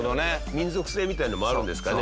民族性みたいなのもあるんですかね。